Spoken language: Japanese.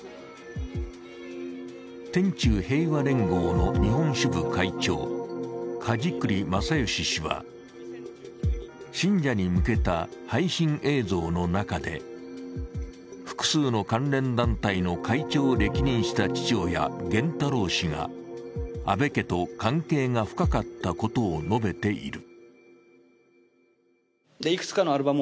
天宙平和連合の日本支部会長、梶栗正義氏は、信者に向けた配信映像の中で複数の関連団体の会長を歴任した父親・玄太郎氏が安倍家と関係が深かったことを述べている。